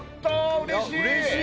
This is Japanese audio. うれしい！